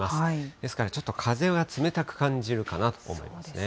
ですからちょっと風は冷たく感じるかなと思いますね。